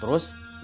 tidak ada apa apa